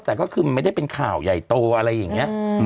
แต่ก็คือมันไม่ได้เป็นข่าวใหญ่โตอะไรอย่างนี้